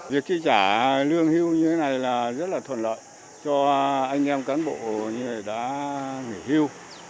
việc chi trả lương hưu như thế này là rất là thuận lợi cho anh em cán bộ như đã nghỉ hưu